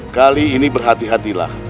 kali ini berhati hatilah